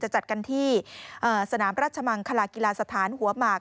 จัดกันที่สนามราชมังคลากีฬาสถานหัวหมาก